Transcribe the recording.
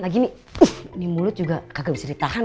lagi ini mulut juga gak bisa ditahan